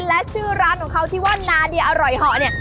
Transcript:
และชื่อร้านของเขาที่ว่านาเดียอร่อยห่อเนี่ย